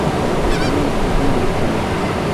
El Canon es una lista anual.